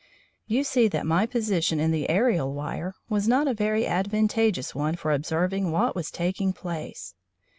You see that my position in the ærial wire was not a very advantageous one for observing what was taking place.